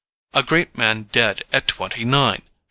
A great man dead at twenty nine!